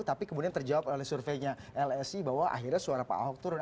tapi kemudian terjawab oleh surveinya lsi bahwa akhirnya suara pak ahok turun